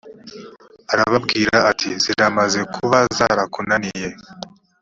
arababwira ati ziramaze kuba zarakunaniye